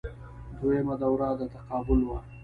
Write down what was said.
دویمه دوره د تقابل وه